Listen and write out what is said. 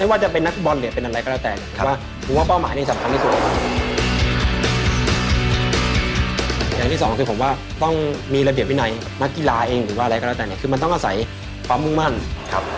วันนี้ผมกับต้องนะฮะต้องลาท่านผู้ชมไว้ก่อนนะครับ